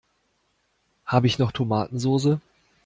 Habe ich noch Tomatensoße?